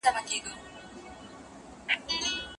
کله چي ماتي خورئ نو په زړورتیا یې مسؤولیت په غاړه واخلئ.